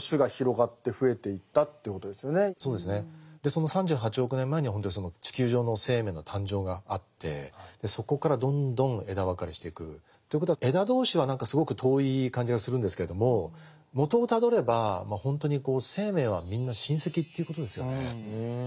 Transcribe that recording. その３８億年前には本当に地球上の生命の誕生があってそこからどんどん枝分かれしていくということは枝同士は何かすごく遠い感じがするんですけれどももとをたどれば本当に生命はみんな親戚ということですよね。